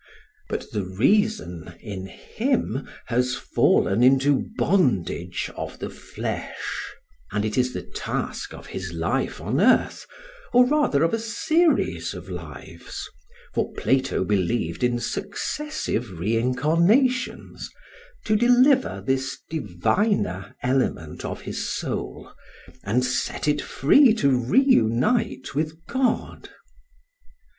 But the reason in him has fallen into bondage of the flesh; and it is the task of his life on earth, or rather of a series of lives (for Plato believed in successive re incarnations), to deliver this diviner element of his soul, and set it free to re unite with God.